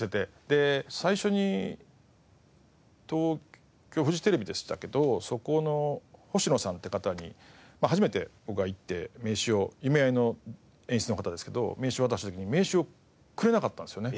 で最初に東京フジテレビでしたけどそこの星野さんって方に初めて僕が行って名刺を『夢逢え』の演出の方ですけど名刺を渡した時に名刺をくれなかったんですよね。